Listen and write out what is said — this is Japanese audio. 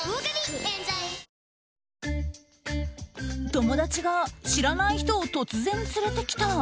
友達が知らない人を突然、連れてきた。